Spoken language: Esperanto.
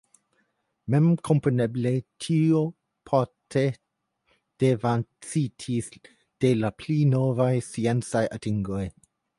Memkompreneble tio parte devancitis de pli novaj sciencaj atingoj.